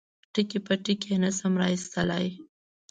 ټکي په ټکي یې نشم را اخیستلای.